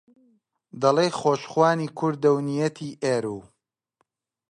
دەڵێی خۆشخوانی کوردە و نیەتی ئێروو